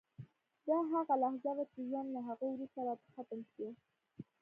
دا هغه لحظه وه چې ژوند له هغه وروسته راته ختم شو